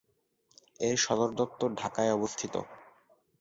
এর সদরদপ্তর ঢাকায় অবস্থিত।